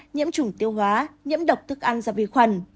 nhiễm chủng tiêu hóa nhiễm độc thức ăn do vi khuẩn